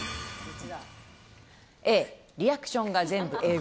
Ａ、リアクションが全部、英語。